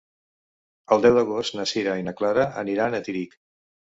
El deu d'agost na Sira i na Clara aniran a Tírig.